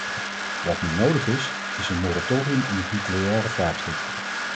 Wat nu nodig is, is een moratorium in het nucleaire vraagstuk.